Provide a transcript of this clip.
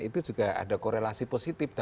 itu juga ada korelasi positif